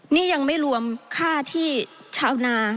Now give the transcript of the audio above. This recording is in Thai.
นี่ยังไม่รวมค่าที่ชาวนา